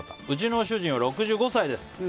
うちの主人は６５歳です。